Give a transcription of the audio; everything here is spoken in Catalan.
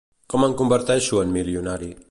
Com em converteixo en milionari?